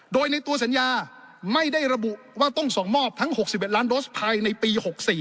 โดยในตัวสัญญาไม่ได้ระบุว่าต้องส่งมอบทั้ง๖๑ล้านโดสภายในปี๖๔